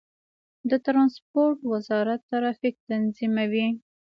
د ترانسپورت وزارت ټرافیک تنظیموي